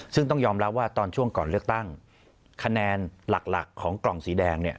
ซึ่งต้องยอมรับว่าตอนช่วงก่อนเลือกตั้งคะแนนหลักของกล่องสีแดงเนี่ย